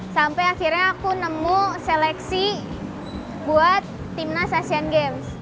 sampai akhirnya aku nemu seleksi buat timnas asian games